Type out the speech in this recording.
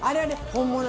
「本物」。